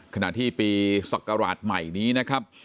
ขณะที่ปีศักราชใหม่นี้นะครับ